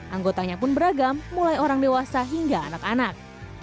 anggotanya pun beragam mulai orang dewasa hingga anak anak